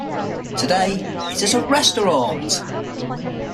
Today it is a restaurant.